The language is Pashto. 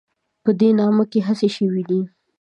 په دې برخه کې هڅې شوې دي